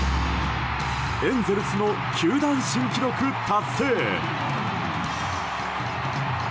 エンゼルスの球団新記録達成。